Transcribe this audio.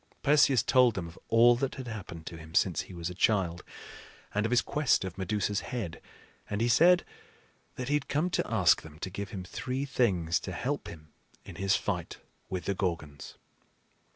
Perseus told them of all that had happened to him since he was a child, and of his quest of Medusa's head; and he said that he had come to ask them to give him three things to help him in his fight with the Gorgons.